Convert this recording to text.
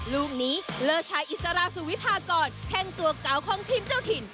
ลูกนี้เลอร์ชายอิสราสุวิพากรแข้งตัวเก่าของทีมเจ้าถิ่น